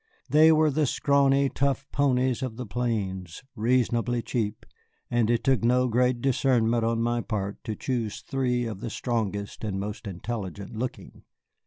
They were the scrawny, tough ponies of the plains, reasonably cheap, and it took no great discernment on my part to choose three of the strongest and most intelligent looking.